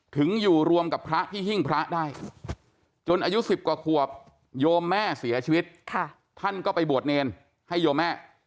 ถึงอยู่รวมกับพระที่หิ้งพระได้จนอายุ๑๐กว่าขวบโยมแม่เสียชีวิตท่านก็ไปบวชเนรให้โยมแม่